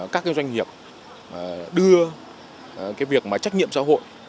các doanh nghiệp đưa việc trách nhiệm xã hội